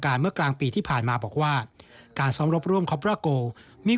แต่สิ่งที่มันกำลังจะดีกว่า